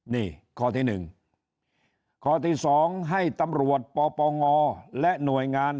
นี่ข้อที่๑ข้อที่๒ให้ตำรวจปปงและหน่วยงาน